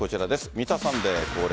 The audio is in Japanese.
「Ｍｒ．サンデー」恒例